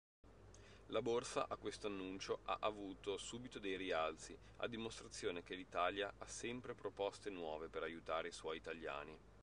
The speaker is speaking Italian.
La borsa a quest'annuncio ha avuto subito dei rialzi, a dimostrazione che l'Italia ha sempre proposte nuove per aiutare i suoi italiani.